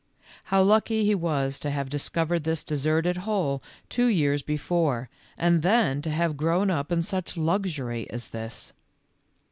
How lucky he was to have discovered this deserted hole two years before, and then to have grown up in such luxury as this